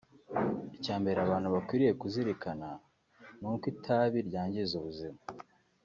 Icya mbere abantu bakwiriye kuzirikana ni uko itabi ryangiza ubuzima